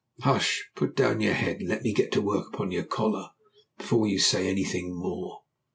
"Hush! Put down your head and let me get to work upon your collar before you say anything more."